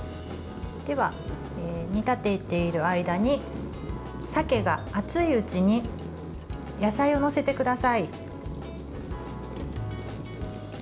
では、煮立てている間にさけが熱いうちに野菜を載せてください。